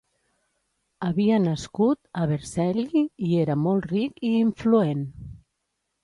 Havia nascut a Vercelli i era molt ric i influent.